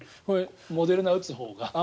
モデルナを打つほうが。